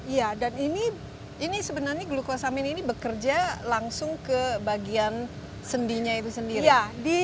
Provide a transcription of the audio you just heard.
iya dan ini sebenarnya glukosamin ini bekerja langsung ke bagian sendinya itu sendiri